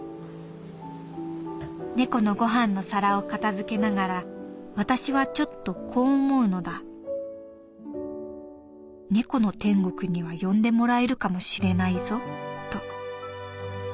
「猫のごはんの皿を片付けながら私はちょっとこう思うのだ猫の天国には呼んでもらえるかもしれないぞと。